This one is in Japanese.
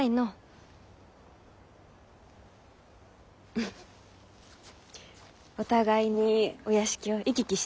フフお互いにお屋敷を行き来して。